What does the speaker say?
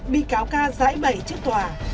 bị cáo ca giãi bẩy trước tòa